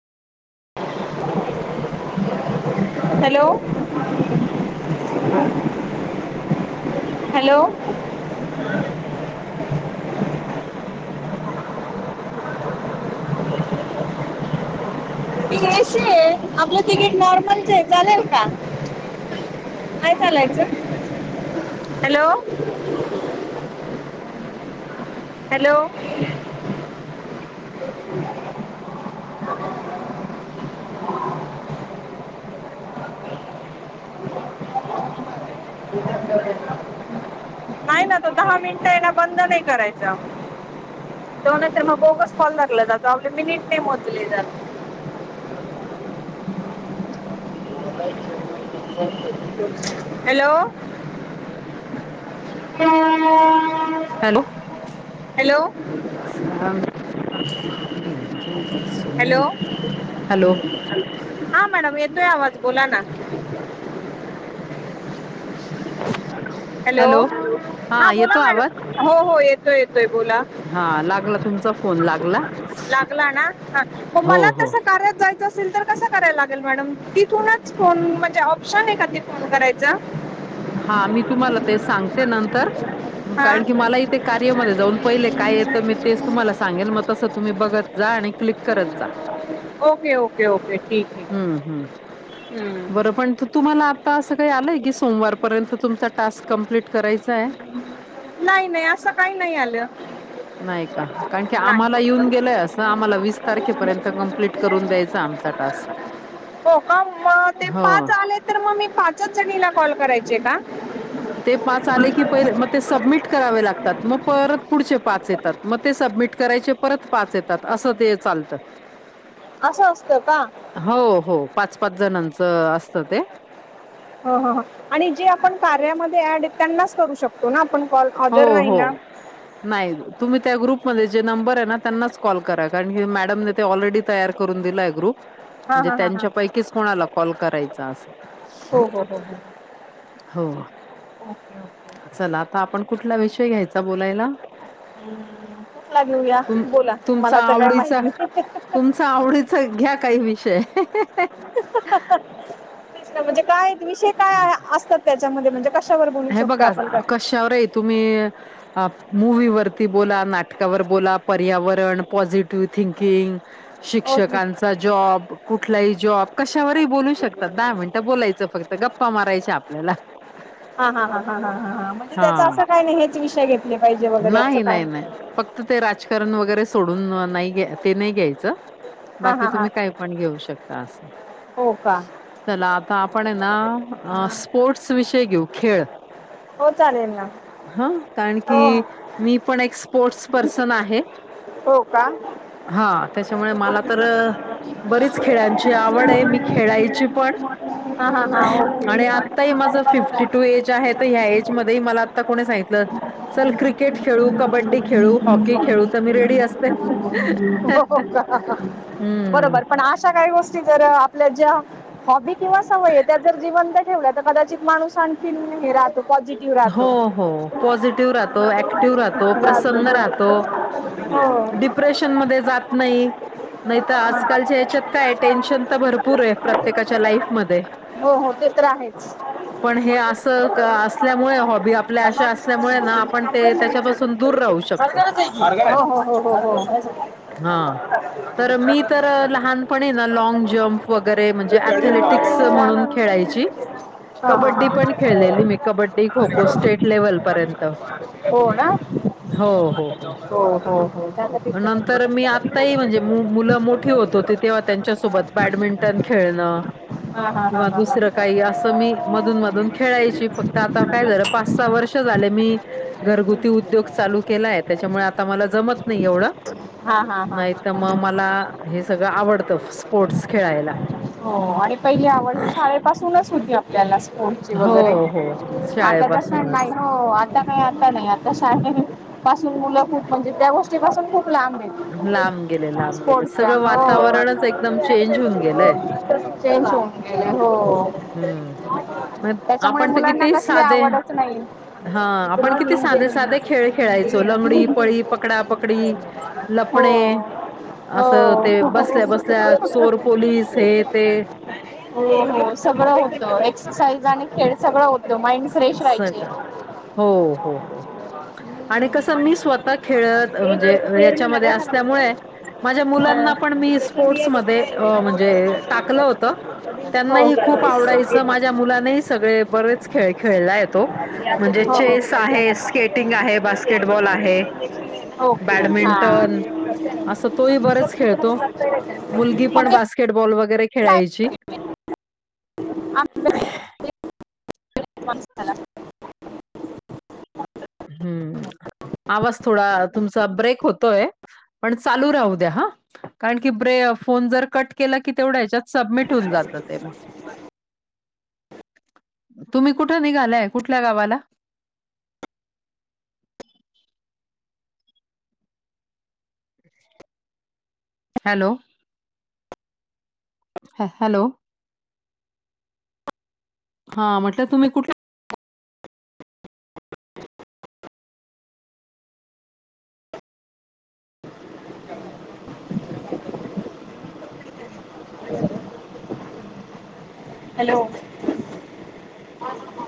[inaudible] Hello. Hello. [inaudible] तिकट आहे आपलं ticket नॉर्मलच आहे चालेल का? काय चालायचं? हॅलो! हॅलो! [inaudible] [inaudible] नाही ना तो दहा मिनटं ये ना बंद नाही करायचा. दोन यत तर मग बोगस कॉल लागला जातो आपले मिनिट नाय मोजले जात. Hello! [unintelligible] Hello! Hello hello [unintelligible] hello! हा मॅडम एतोय आवाज बोला ना. हॅलो! हा बोला येतो आवाज मॅडम हो हो येतोय येतोय बोला. हा लागला तुमचा फोन लागला लागला ना ह हो मला हो तस कार्या जायचं. असेल तर कसा करायला लागेल मॅडम तिथूनच फोन म्हणजे ऑप्शन आहे का फोन करायचा? हा मी तुम्हाला ते सांगते नंतर हा कारण की मला इथे कार्यामध्येय जाऊन पहिले काय येतं मी तेच तुम्हाला सांगेल मग तसं तुम्ही बघत जा आणि क्लिक करत जा. ओके ओके ओके ठीक आहे हम्म हम्म हम्म. बरं पण तुम्हाला आता असं काही आलंय की सोमवारपर्यंत तुमचा टास्क कम्प्लीट करायचाय. नाही नाही असं काही नाही आलं. नाही का कारण की आम्हाला नाही येऊन गेलंय असं आम्हाला वीस तारखेपर्यंत कंप्लीट करून द्यायच आमचा टास्क. [inaudible] हो का मग ते पाच हो. आले तर मग मी पाचच जणीला कॉल करायचे का? ते पाच आले की पहिले मग ते सबमिट करावे लागतात मग परत पुढचे पाच येतात मग ते सबमिट करायचे परत पाच येतात अस ते चालत. असं असतं का? हो हो पाच पाच जणांचं असत ते ह ह आणि जे आपण कार्यामध्ये ऍड आहे त्यांनाच करू शकतो ना आपण कॉल हो, ऑदर नाही हो. ना. नाही तुम्ही त्या ग्रुपमध्ये जे नंबर आहे ना त्यांनाच कॉल करा कारण की मॅडमने ते ऑलरेडी तयार करून दिलाय ग्रुप हां म्हणजे हां हां हां त्यांच्यापैकीच कोणाला कॉल करायचा असं. हो हो हो हो. हो. ह. चला आता आपण कुठला विषय घ्यायचा बोलायला हम् कुठला घेऊया तुम बोला मला तर काही माहती नाही. आवडीच घ्या काही विषय म्हणजे काय विषय काय असतात त्याच्यामध्ये म्हणजे क शावर बोलू शकतो आपण काय? वर तुम्ही मूवीवरती बोला, नाटकावर बोला, पर्यावरण, पॉझिटिव्ह थिंकिंग ओके शिक्षकांचा जॉब कुठलाही जॉब कशावरही बोलू शकतात दहा मिनिटं बोलायचं फक्त गप्पा मारायच्या आपल्याला हा हा ह ह ह ह ह म्हणजे त्याचा हा. असं काय नाही हेच विषय घेतले पाहिजे वगैरे असं काय नाही. फक्त ते राजकारण वगैरे सोडून नाही ते नाही घ्यायचं हा बाकी हा हा तुम्ही काय? पण घेऊ शकता असं. हो का? चला आता आपण आहे ना हा स्पोर्टस विषयी घेऊ खेळ. हो चालेल ना हा कारण हो की मी पण एक स्पोर्टस पर्सन आहे. हो का? हा त्याच्यामुळे मला तर बरीच खेळांची आवड आहे मी खेळायची पण हा हा हा ओके आणि आताही माझ फिफ्टी टू एज आहे तर ह्या एज मध्ये मला कोणी सांगितलं चल क्रिकेट खेळू कबड्डी खेळू, हॉकी खेळू," तर मी रेडी असते. हो का? हं. बरोबर पण अशा काही गोष्टी जर आपल्या ज्या हॉबी किंवा सवय आहे त्या जर जीवन ठेवला तर कदाचित माणूस आणखी हे राहतो पॉझिटिव्ह हो राहतो हो पॉझिटिव्ह राहतो ऍक्टिव्ह राहतो. राहतो प्रसन्न राहतो हो डिप्रेशन मध्ये जात नाही. नाही तर आजकालच्या याच्यात काय टेन्शन तर भरपूर आहे प्रत्येकाच्या लाईफमध्ये हो हो ते तर आहेच. पण हे असं क- असल्यामुळे हॉबी आपल्या अशा असल्यामुळे ना आपण ते [unintelligible] त्याच्यापासून दूर राहू शकतो. [unintelligible] हा तर मी तर लहानपणी आहे ना लाँग जम्प. वैगेरे म्हणजे अरे कळली रे अथेलेटिक्स खारघरची. म्हणून खेळाची हा, हा. हा, हा, कबड्डी पण हा. खेळलेली मी. कबड्डी खो खो स्टेट लेवल पर्यंत हो. हो ना हो हो हो हो त्याचं पिक्चर नंतर मी आताही म्हणजे मुलं मोठी होत होती तेव्हा त्यांच्या सोबत बॅडमिंटन खेळणं. हा हा हा किंवा हा हा दुसरं काही असं मी मधून मधून खेळायची फक्त आता. आता काय झालं पाच सहा वर्ष झाले मी घरगुती उद्योग चालू.. केलाय त्याच्यामुळे आता मला जमत नाही एवढं हा हा हा नाही तर मग मला. हे सगळं आवडतं स्पोर्ट्स खेळायला. हो आणि पहिली आवड शाळेपासूनच होती आपली त्याला स्पोर्टची हो, वगैरे हो. आता तस शाळेपासूनच. नाही. हो आता काही आता नाही आता शाळे पासून मुलं खूप म्हणजे त्या गोष्टी पाासून खूप लांब आहेत. लांब गेले लांब गेले स्पोर्टच्या सगळं हो वातावरणच एकदम चेंज होऊन गेलंय. चेंज होऊन गेलंय हो. हम्म म त्याच्यामुळे आपण तर मुलांना किती कसली साधे आवडच नाही हा आपण किती साधे साधे खेळ खेळायचो लंगडी पळी पकडापकडी हो लपणे हो असं हो ते बसल्या बसल्या चोर पोलीस हे ते अ सगळं होतो एक्ससईज आणि ख सगळ होत सगळं हो हो हो. आणि कस मी स्वतः खेळत म्हणजे याच्यामध्ये असल्यामुळे माझ्या मुलांना पण मी स्पोर्टमध्ये म्हणजे टाकलं होत हो त्यांनाही खूप आवडायचं माझ्या मुलाही सगळे बरे खेळ खेळला येतो म्हणजे हो चेस हो आहे, स्केटिंग आहे, बास्केटबॉल आहे ओके हा बॅडमिंटन, अस तोही बरच खेळतो मुलगी पण बार बास्केटबॉल वगैरे खेळायची अ आता मस्त ना [unintelligible] हम्म आवाज थोडा तुमचा ब्रेक होतोय पण चालू राहू द्या हा कारण की ब्रे फोन जर कट केला की तेवढ्या याच्यात सबमिट होऊन जात ते मग. तुम्ही कुठं निघालय कुठल्या गावाला. अच्छ [unintelligible] हॅलो ह हॅलो हा म्हटलं तुम्ही कुठ [unintelligible] हॅलो